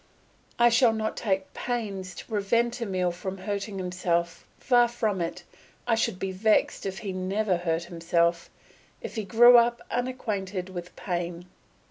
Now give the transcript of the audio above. I shall not take pains to prevent Emile hurting himself; far from it, I should be vexed if he never hurt himself, if he grew up unacquainted with pain.